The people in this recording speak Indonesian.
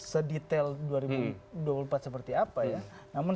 sedetail dua ribu dua puluh empat seperti apa ya